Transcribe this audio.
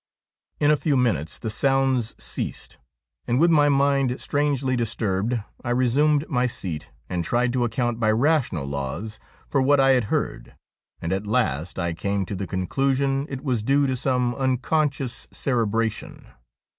In a few minutes the sounds ceased, and with my mind strangely disturbed I resumed my seat and tried to account by rational laws for what I had heard ; and at last I came to the conclusion it was due to some unconscious cerebration.